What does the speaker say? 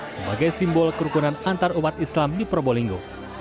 sebagai simbol kerukunan antarumat islam di probolinggo